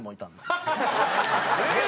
えっ！？